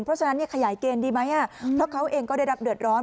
เพราะฉะนั้นขยายเกณฑ์ดีไหมเพราะเขาเองก็ได้รับเดือดร้อน